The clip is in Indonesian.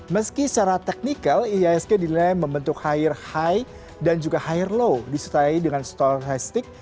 meski secara teknikal iasg dilenai membentuk higher high dan juga higher low disetelah dengan stochastic